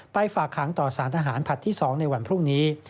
ฝากขังต่อสารทหารผัดที่๒ในวันพรุ่งนี้